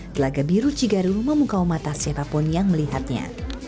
telaga biru cigaru memukau mata siapapun yang melihatnya